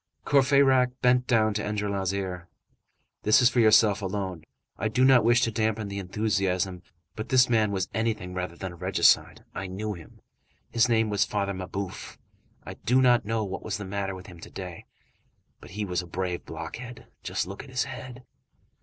Courfeyrac bent down to Enjolras' ear:— "This is for yourself alone, I do not wish to dampen the enthusiasm. But this man was anything rather than a regicide. I knew him. His name was Father Mabeuf. I do not know what was the matter with him to day. But he was a brave blockhead. Just look at his head."